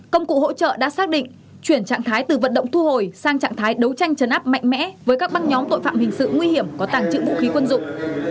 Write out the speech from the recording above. công cụ hỗ trợ đã xác định chuyển trạng thái từ vận động thu hồi sang trạng thái đấu tranh chấn áp mạnh mẽ với các băng nhóm tội phạm hình sự nguy hiểm có tàng trữ vũ khí quân dụng